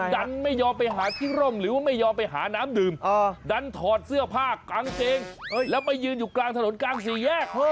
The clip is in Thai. ดันไม่ยอมไปหาที่ร่มหรือว่าไม่ยอมไปหาน้ำดื่มดันถอดเสื้อผ้ากางเกงแล้วไปยืนอยู่กลางถนนกลางสี่แยก